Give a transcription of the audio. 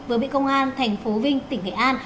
vừa bị công an thành phố vinh tỉnh nghệ an